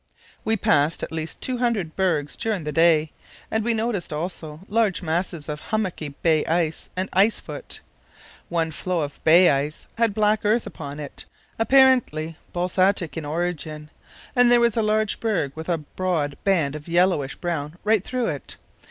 We passed at least two hundred bergs during the day, and we noticed also large masses of hummocky bay ice and ice foot. One floe of bay ice had black earth upon it, apparently basaltic in origin, and there was a large berg with a broad band of yellowish brown right through it.